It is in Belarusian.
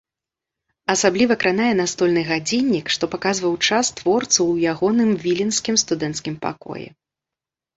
Асабліва кранае настольны гадзіннік, што паказваў час творцу ў ягоным віленскім студэнцкім пакоі.